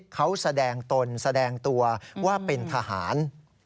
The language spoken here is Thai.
เขาแสดงตนแสดงตัวว่าเป็นทหาร